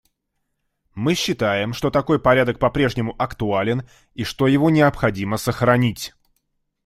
Мы считаем, что такой порядок по-прежнему актуален и что его необходимо сохранить.